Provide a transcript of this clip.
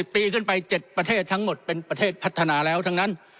ปีขึ้นไป๗ประเทศทั้งหมดเป็นประเทศพัฒนาแล้วทั้งนั้น